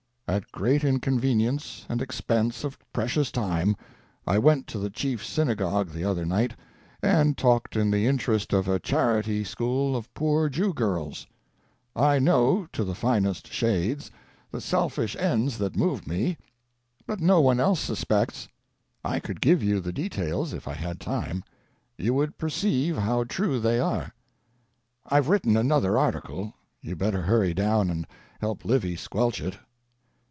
At great inconvenience, and expense of precious time I went to the chief synagogue the other night and t^^ y^ in the interest of a diarity school of poor Jew girls. I 70s MARK TWAIN'S LETTERS know — ^to the finest shades — the selfish ends that moved me; but no one else suspects. I could give you the details if I had time. You would perceive how true they are. IVe written another article; you better hurry down and help Livy squelch it.